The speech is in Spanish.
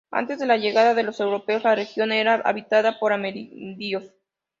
Antes de la llegada de los europeos, la región era habitada por amerindios.